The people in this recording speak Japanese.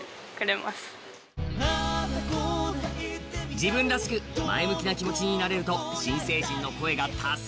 自分らしく前向きな気持ちになれると新成人の声が多数。